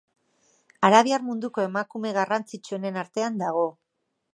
Arabiar munduko emakume garrantzitsuenen artean dago.